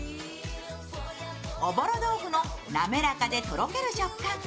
おぼろ豆腐の滑らかでとろける食感が